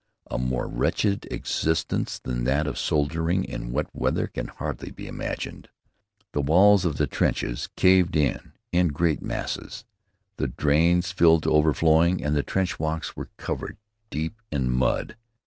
A more wretched existence than that of soldiering in wet weather could hardly be imagined. The walls of the trenches caved in in great masses. The drains filled to overflowing, and the trench walks were covered deep in mud.